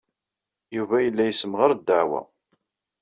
Yuba yella yessemɣar ddeɛwa.